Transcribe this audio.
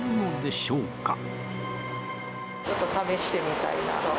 ちょっと試してみたいなと。